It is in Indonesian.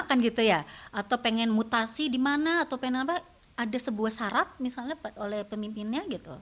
atau pengen mutasi di mana atau pengen apa ada sebuah syarat misalnya oleh pemimpinnya gitu